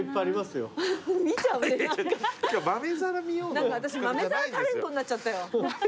何か私豆皿タレントになっちゃったよ。